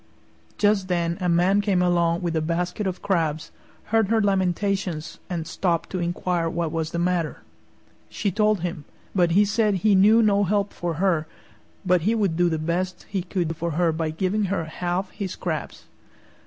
Just then a Man came along with a basket of crabs, heard her lamentations, and stopped to inquire what was the matter. She told him, but he said he knew no help for her, but he would do the best he could for her by giving her half his crabs.